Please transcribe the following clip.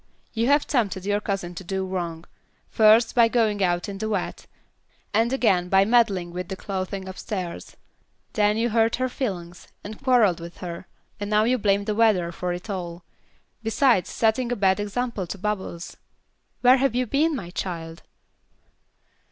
You have tempted your cousin to do wrong, first by going out in the wet, and again by meddling with the clothing upstairs; then you hurt her feelings, and quarreled with her, and now you blame the weather for it all, besides setting a bad example to Bubbles. Where have you been, my child?"